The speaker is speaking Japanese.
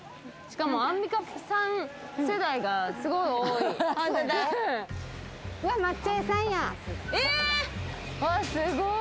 アンミカさん世代がすごい多い。